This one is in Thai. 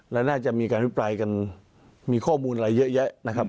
และน่าจะมีการอภิปรายกันมีข้อมูลอะไรเยอะแยะนะครับ